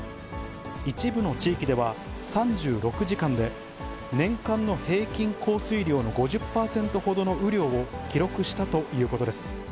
一部の地域では３６時間で年間の平均降水量の５０％ほどの雨量を記録したということです。